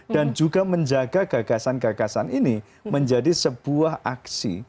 dan juga menjaga gagasan gagasan ini menjadi sebuah aksi